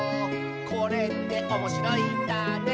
「これっておもしろいんだね」